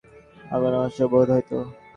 বড়োগিন্নি ব্রজসুন্দরীর সেটা কিছু অসহ্য বোধ হইত।